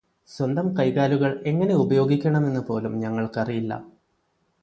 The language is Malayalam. സ്വന്തം കൈകാലുകൾ എങ്ങനെ ഉപയോഗിക്കണമെന്ന് പോലും ഞങ്ങൾക്ക് അറിയില്ല.